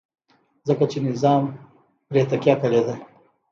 ځکه چې نظام پرې تکیه کړې ده.